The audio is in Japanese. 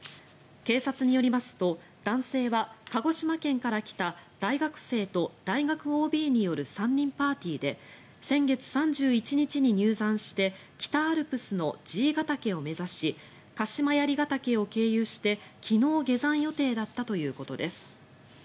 警察によりますと男性は鹿児島県から来た大学生と大学ＯＢによる３人パーティーで先月３１日に入山して北アルプスの爺ケ岳を目指し鹿島槍ケ岳を経由して昨日、下山予定だったということです。